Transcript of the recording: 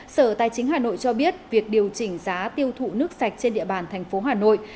sở tài chính hà nội cho biết việc điều chỉnh giá tiêu thụ nước sạch trên địa bàn thành phố hà nội